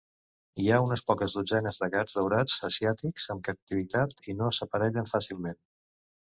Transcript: Hi ha unes poques dotzenes de gats daurats asiàtics en captivitat, i no s'aparellen fàcilment.